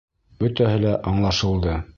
Бөтәһе лә аңлашылды.